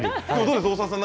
大沢さん